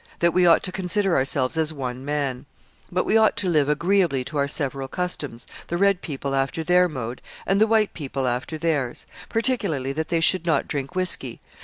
That we ought to consider ourselves as one man; but we ought to live agreeably to our several customs, the red people after their mode, and the white people after theirs; particularly that they should not drink whisky